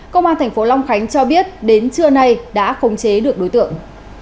công an tp long khánh cho biết đến trưa nay đã khống chế được đối tượng